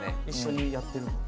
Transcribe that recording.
一緒にやってる？